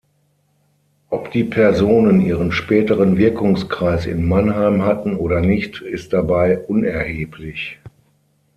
Ob die Personen ihren späteren Wirkungskreis in Mannheim hatten oder nicht, ist dabei unerheblich.